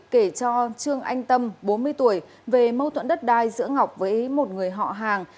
kể cho trương anh tâm bốn mươi tuổi về mâu thuẫn đất đai giữa ngọc với một người họ hàng